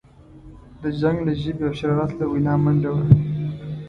د جنګ له ژبې او شرارت له وینا منډه وهم.